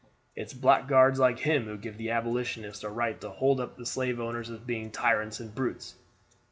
It's blackguards like him who give the Abolitionists a right to hold up the slave owners as being tyrants and brutes."